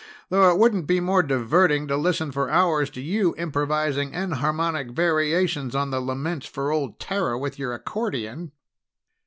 Though it wouldn't be more diverting to listen for hours to you improvising enharmonic variations on the Lament for Old Terra with your accordion."